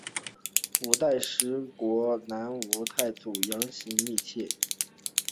五代十国南吴太祖杨行密妻。